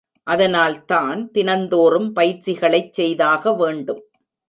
அதனால்தான், தினந்தோறும் பயிற்சிகளைச் செய்தாக வேண்டும்.